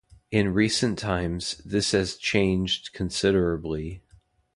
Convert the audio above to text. In recent times, this has changed considerably.